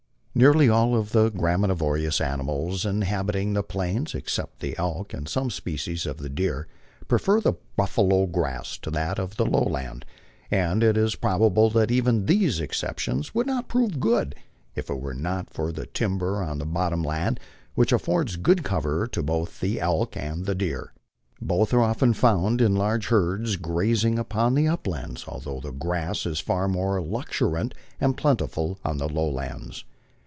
Nearly all graminivorous animals inhabiting the Plains, except the elk and some species of the deer, prefer the buffalo grass to that of the lowland ; and it is probable that even these exceptions would not prove good if it were not for the timber on the bottom land, which affords good cover to both the elk and the deer. Both are often found in large herds grazing upon the uplands, al though the grass is far more luxuriant and plentiful on the lowlands.